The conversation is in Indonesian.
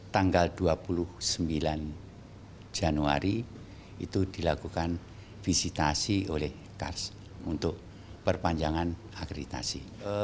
tanggal dua puluh sembilan januari itu dilakukan visitasi oleh kars untuk perpanjangan akreditasi